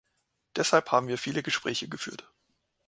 Deshalb haben wir viele Gespräche geführt.